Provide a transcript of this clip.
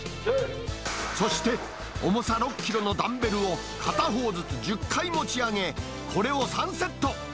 そして、重さ６キロのダンベルを片方ずつ１０回持ち上げ、これを３セット。